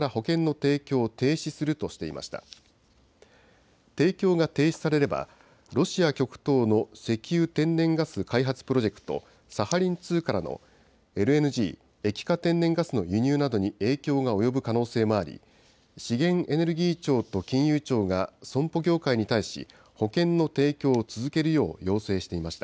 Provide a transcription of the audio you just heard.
提供が停止されれば、ロシア極東の石油・天然ガス開発プロジェクト、サハリン２からのＬＮＧ・液化天然ガスの輸入などに影響が及ぶ可能性もあり、資源エネルギー庁と金融庁が損保業界に対し、保険の提供を続けるよう要請していました。